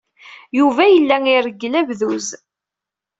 Yuba yella ireggel abduz.